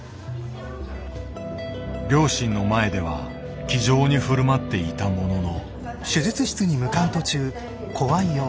両親の前では気丈に振る舞っていたものの。